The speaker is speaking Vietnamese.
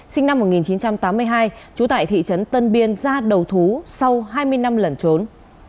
sinh năm một nghìn chín trăm tám mươi hai trú tại thị trấn tân biên ra đầu thú sau hai mươi năm lẩn trốn